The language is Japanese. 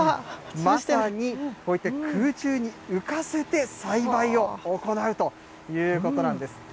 まさに、こういった空中に浮かせて栽培を行うということなんです。